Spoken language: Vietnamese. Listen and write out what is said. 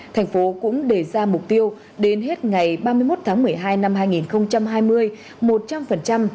thành phố cũng đề ra mục tiêu đến hết ngày ba mươi một tháng một mươi hai năm hai nghìn hai mươi